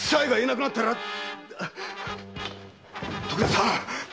徳田さん！